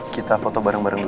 kita foto bareng bareng